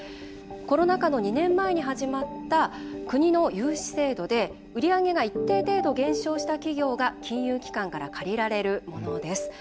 コロナ禍の２年前に始まった国の融資制度で、売り上げが一定程度、減少した企業が金融機関から借りられるものです。